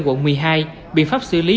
quận một mươi hai biện pháp xử lý